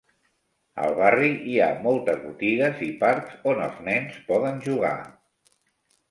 Al barri hi ha moltes botigues i parcs on els nens poden jugar...